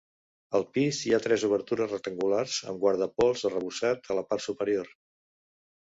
Al pis hi ha tres obertures rectangulars amb guardapols arrebossat a la part superior.